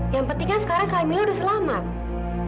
yang pentingnya sekarang kamila udah selamat